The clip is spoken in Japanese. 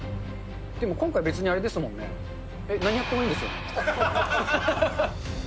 でも今回、別にあれですもんね、何やってもいいんですよね？